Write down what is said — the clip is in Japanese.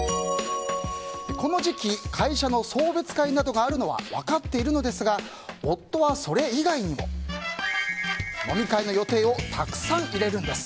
この時期、会社の送別会などがあるのは分かっているのですが夫はそれ以外にも飲み会の予定をたくさん入れるんです。